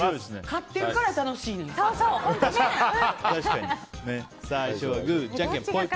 勝ってるから楽しいねん！